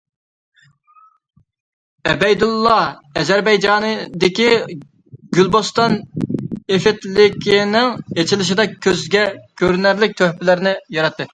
ئەبەيدۇللا ئەزەربەيجاندىكى گۈلبوستان نېفىتلىكىنىڭ ئېچىلىشىدا كۆزگە كۆرۈنەرلىك تۆھپىلەرنى ياراتتى.